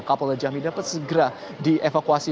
kapolda jambi dapat segera dievakuasi